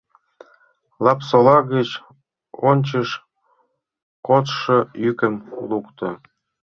Лапсола гыч ончыч коштшо йӱкым лукто.